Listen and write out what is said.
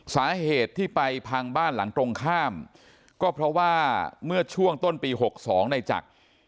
สาเหตุที่ไปพังบ้านหลังตรงข้ามก็เพราะว่าเมื่อช่วงต้นปี๖๒ในจักร